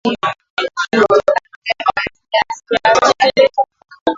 Katika mapigano yaso na kikomo.